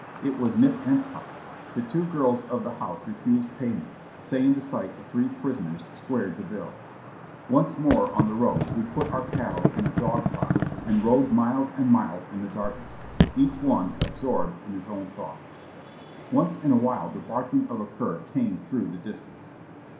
It was nip and tuck. The two girls of the house refused payment, saying the sight of three prisoners squared the bill. Once more on the road, we put our cattle in a dog trot and rode miles and miles in the darkness, each one absorbed in his own thoughts. Once in a while the barking of a cur came through the distance.